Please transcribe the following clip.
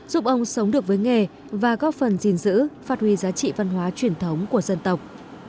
giúp ông sống được với nghề và góp phần gìn giữ phát huy giá trị văn hóa truyền thống của dân tộc